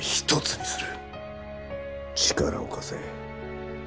力を貸せ。